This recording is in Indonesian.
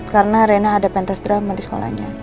karena rena ada pentas drama di sekolahnya